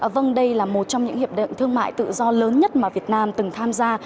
vâng đây là một trong những hiệp định thương mại tự do lớn nhất mà việt nam từng tham gia